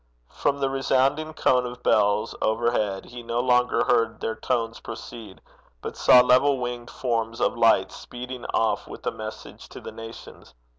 From the resounding cone of bells overhead he no longer heard their tones proceed, but saw level winged forms of light speeding off with a message to the nations.